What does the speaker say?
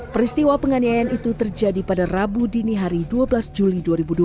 peristiwa penganiayaan itu terjadi pada rabu dini hari dua belas juli dua ribu dua puluh